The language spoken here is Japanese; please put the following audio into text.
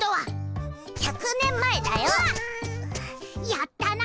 やったな！